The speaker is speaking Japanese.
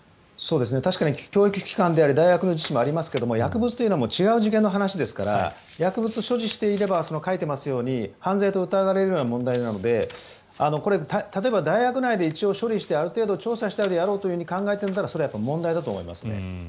確かに教育機関であり大学の自治もありますが薬物というのは違う次元の話ですから薬物所持していれば書いていますように犯罪と疑われるような問題なので例えば、大学内で一応処理してある程度調査しようと考えているのであればそれは問題だと思います。